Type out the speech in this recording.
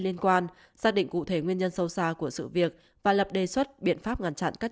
liên quan xác định cụ thể nguyên nhân sâu xa của sự việc và lập đề xuất biện pháp ngăn chặn các